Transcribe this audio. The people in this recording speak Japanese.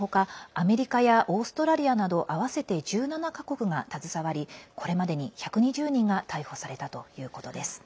アメリカやオーストラリアなど合わせて１７か国が携わりこれまでに１２０人が逮捕されたということです。